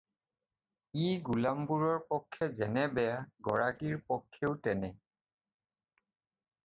ই গোলামবোৰৰ পক্ষে যেনে বেয়া গৰাকীৰ পক্ষেও তেনে।